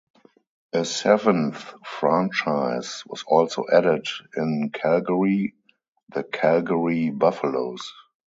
A seventh franchise was also added in Calgary, the Calgary Buffaloes.